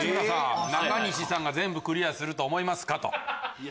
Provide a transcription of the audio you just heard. さて内村さん。全部クリアすると思いますか？